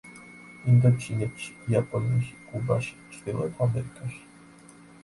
ინდოჩინეთში, იაპონიაში, კუბაში, ჩრდილოეთ ამერიკაში.